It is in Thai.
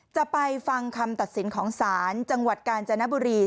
จะไปฟังคำตัดสินของศาลจังหวัดกาญจนบุรี